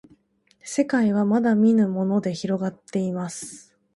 せかいはまだみぬものでひろがっています